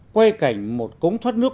quay cảnh một cống thoát nước